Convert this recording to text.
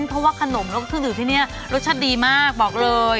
เพราะว่าขนมและสู้นิดนี้รสชาติดีมากบอกเลย